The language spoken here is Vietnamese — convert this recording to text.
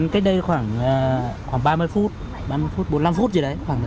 cách đây khoảng ba mươi phút bốn mươi năm phút rồi đấy